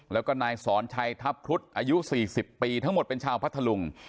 แล้วก็นายสอนชัยทัพครุฑอายุ๔๐ปีทั้งหมดเป็นชาวพัทธลุง